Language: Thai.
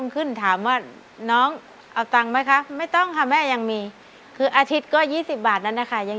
โค้งลงคอยคมเคียง